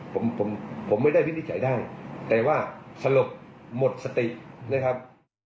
ผมผมไม่ได้วินิจฉัยได้แต่ว่าสลบหมดสตินะครับ